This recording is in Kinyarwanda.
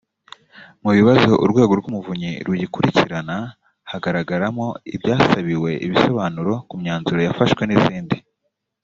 mu bibazo urwego rw umuvunyi rugikurikirana hagaragaramo ibyasabiwe ibisobanuro ku myanzuro yafashwe n izindi